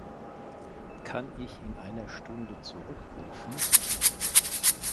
Kann ich in einer Stunde zurückrufen?